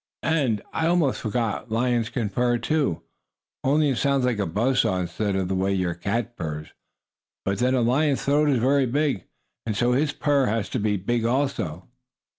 And, I almost forgot, lions can purr, too, only it sounds like a buzz saw instead of the way your cat purrs. But then a lion's throat is very big, and so his purr has to be big also.